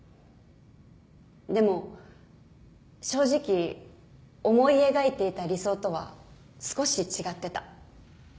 でも正直思い描いていた理想とは少し違ってた。